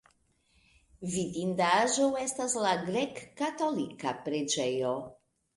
Vidindaĵo estas la grek-katolika preĝejo.